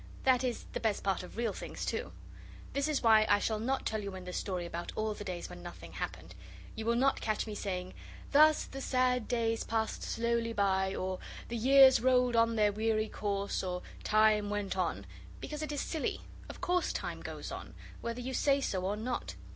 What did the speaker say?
That is the best part of real things too. This is why I shall not tell you in this story about all the days when nothing happened. You will not catch me saying, 'thus the sad days passed slowly by' or 'the years rolled on their weary course' or 'time went on' because it is silly; of course time goes on whether you say so or not.